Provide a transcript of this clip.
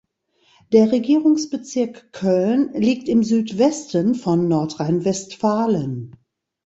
Der Regierungsbezirk Köln liegt im Südwesten von Nordrhein-Westfalen.